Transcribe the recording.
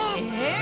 え！